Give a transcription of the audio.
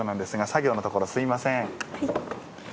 作業のところ、すみません。